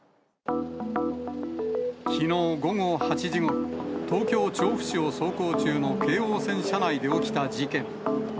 きのう午後８時ごろ、東京・調布市を走行中の京王線車内で起きた事件。